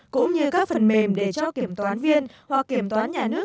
cũng như các phần mềm để cho kiểm toán viên hoặc kiểm toán nhà nước